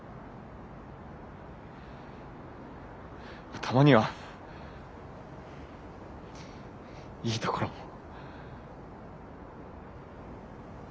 まあたまにはいいところも。